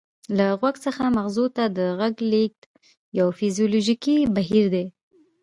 له غوږ څخه مغزو ته د غږ لیږد یو فزیولوژیکي بهیر دی